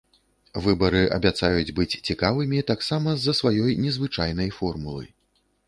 Выбары абяцаюць быць цікавымі таксама з-за сваёй незвычайнай формулы.